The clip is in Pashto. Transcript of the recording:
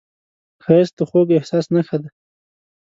ښایست د خوږ احساس نښه ده